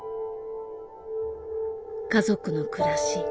家族の暮らし